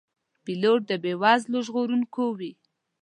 پیلوټ د بې وزلو ژغورونکی وي.